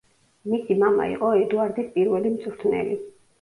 მისი მამა იყო ედუარდის პირველი მწვრთნელი.